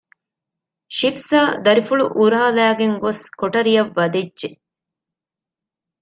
ޝިފްޒާ ދަރިފުޅު އުރާލައިގެން ގޮސް ކޮޓަރިއަށް ވަދެއްޖެ